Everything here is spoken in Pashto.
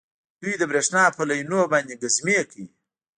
دوی د بریښنا په لینونو باندې ګزمې کوي